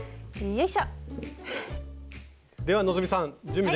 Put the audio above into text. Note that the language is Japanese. よいしょ。